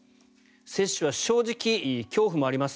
接種は正直恐怖もあります。